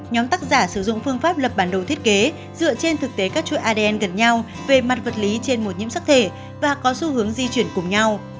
nhóm tác giả sử dụng phương pháp lập bản đồ thiết kế dựa trên thực tế các chuỗi adn gần nhau về mặt vật lý trên một nhiễm sắc thể và có xu hướng di chuyển cùng nhau